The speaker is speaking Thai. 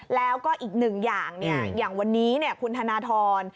แล้วก็อีกหนึ่งอย่างอย่างวันนี้คุณธนทร